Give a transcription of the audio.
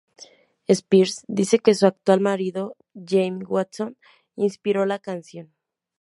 Spears dice que su actual marido, Jamie Watson inspiró la canción.